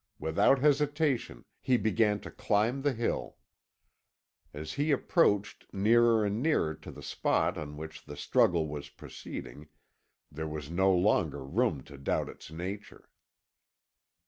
Without hesitation he began to climb the hill. As he approached nearer and nearer to the spot on which the struggle was proceeding, there was no longer room to doubt its nature.